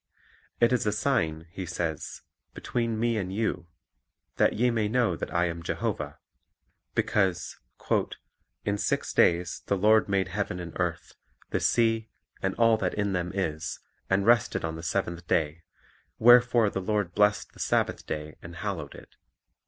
It is "a sign," He says, "between Me and you; ... that ye may know that I am Jehovah;" because "in six days the Lord made heaven and earth, the sea, and all that in them is, and rested the seventh day ; wherefore the Lord blessed the Sabbath day, and hallowed it."